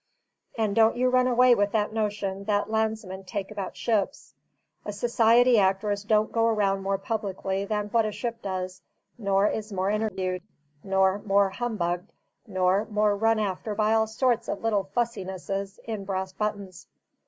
And don't you run away with that notion that landsmen take about ships. A society actress don't go around more publicly than what a ship does, nor is more interviewed, nor more humbugged, nor more run after by all sorts of little fussinesses in brass buttons.